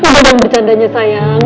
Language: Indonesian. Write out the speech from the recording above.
jangan bercandanya sayang